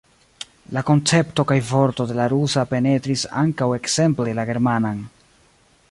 La koncepto kaj vorto de la rusa penetris ankaŭ ekzemple la germanan.